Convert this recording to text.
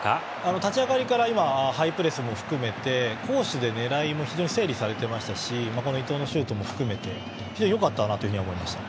立ち上がりから今ハイプレスも含めて攻守でねらいも非常に整理されていましたしこの伊東のシュートも含めて非常によかったなと思いました。